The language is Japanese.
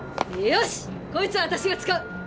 よしこいつは私が使う！